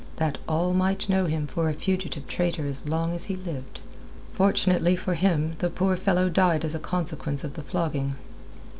that all might know him for a fugitive traitor as long as he lived. Fortunately for him the poor fellow died as a consequence of the flogging.